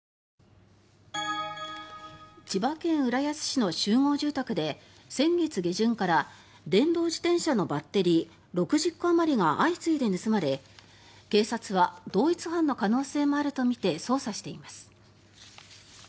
千葉県浦安市の集合住宅で先月下旬から電動自転車のバッテリー６０個あまりが相次いで盗まれ警察は同一犯の可能性もあるとみて捜査しています。